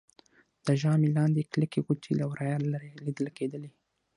د ژامې لاندې يې کلکې غوټې له ورایه لیدل کېدلې